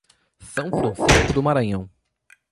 São Francisco do Maranhão